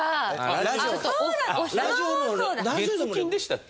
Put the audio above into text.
月金でしたっけ？